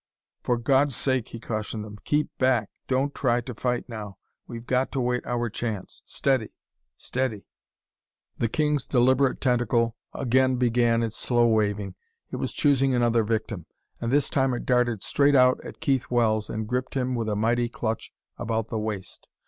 "For God's sake," he cautioned them, "keep back. Don't try to fight now; we've got to wait our chance! Steady. Steady...." The king's deliberate tentacle again began its slow weaving. It was choosing another victim. And this time it darted straight out at Keith Wells and gripped him with a mighty clutch about the waist.